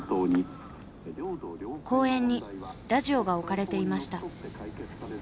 公園にラジオが置かれていました。